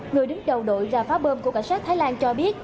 người đứng đầu đội ra phá bơm của cảnh sát thái lan cho biết